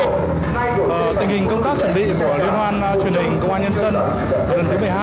tình hình công tác chuẩn bị của liên hoan truyền hình công an nhân dân lần thứ một mươi hai